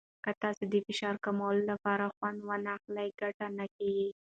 که تاسو د فشار کمولو لپاره خوند ونه واخلئ، ګټه نه کېږي.